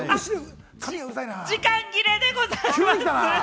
あ、時間切れでございます。